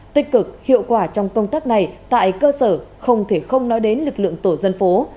tích cực hiệu quả trong công tác này tại cơ sở không thể không nói đến lực lượng tổ dân phố